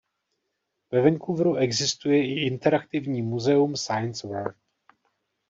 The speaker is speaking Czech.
Ve Vancouveru existuje i interaktivní muzeum Science World.